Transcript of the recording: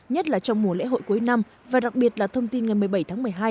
nhất là trong mùa lễ hội cuối năm và đặc biệt là thông tin ngày một mươi bảy tháng một mươi hai